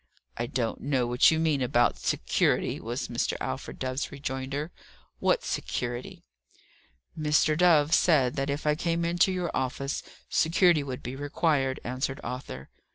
"I don't know what you mean about 'security,'" was Mr. Alfred Dove's rejoinder. "What security?" "Mr. Dove said that if I came into your office security would be required," answered Arthur.